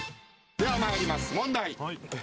では参ります、問題。